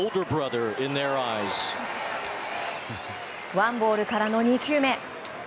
ワンボールからの２球目。